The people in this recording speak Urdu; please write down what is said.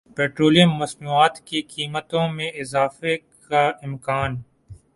پیٹرولیم مصنوعات کی قیمتوں میں اضافے کا امکان